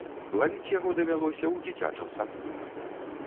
Лавіць яго давялося ў дзіцячым садку.